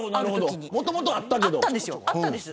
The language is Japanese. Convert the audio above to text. もともとあったんです。